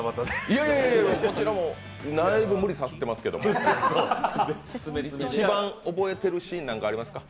いやいや、こちらもだいぶ無理させてますけど、一番覚えているシーンはありますか？